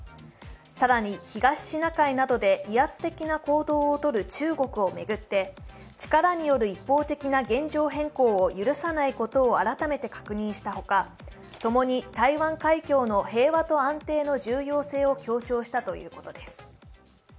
さらに、東シナ海などで威圧的な行動をとる中国などを巡って力による一方的な現状変更を許さないことを改めて確認したほか共に台湾海峡の平和と安定の重要性を強調したということです。